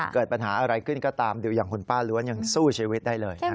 เกิดปัญหาอะไรขึ้นก็ตามดูอย่างคุณป้าล้วนยังสู้ชีวิตได้เลยนะครับ